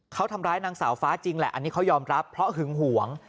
เขาทำร้ายนางสาวฟ้าจริงแหละอันนี้เขายอมรับเพราะหึงหวง